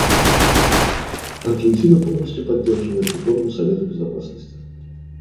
Аргентина полностью поддерживает реформу Совета Безопасности.